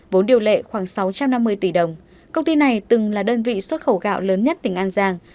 vốn điều lệ khoảng sáu trăm năm mươi tỷ đồng công ty này từng là đơn vị xuất khẩu gạo lớn nhất tỉnh an giang